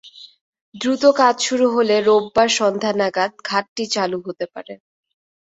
দ্রুত কাজ শুরু হলে রোববার সন্ধ্যা নাগাদ ঘাটটি চালু হতে পারে।